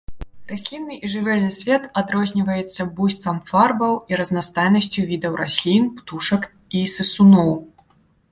Раслінны і жывёльны свет адрозніваецца буйствам фарбаў і разнастайнасцю відаў раслін, птушак і сысуноў.